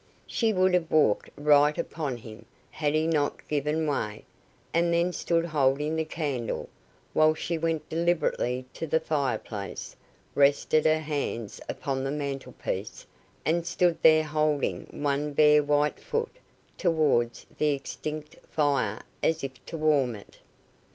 She would have walked right upon him, had he not given way, and then stood holding the candle, while she went deliberately to the fire place, rested her hands upon the mantel piece, and stood there holding one bare white foot towards the extinct fire as if to warm it.